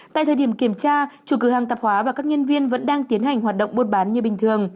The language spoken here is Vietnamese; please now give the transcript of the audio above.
tại thời điểm kiểm tra chủ cửa hàng tạp hóa và các nhân viên vẫn đang tiến hành hoạt động buôn bán như bình thường